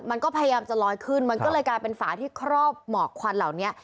มันก็พยายามจะลอยขึ้นมันก็เลยกลายเป็นฝาที่ครอบหมอกควันเหล่านี้